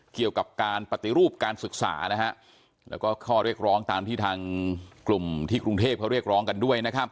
เกี่ยวกับการปฏิรูปการศึกษานะฮะแล้วก็ข้อเรียกร้องตามที่ทางกลุ่มที่กรุงเทพเขาเรียกร้องกันด้วยนะครับ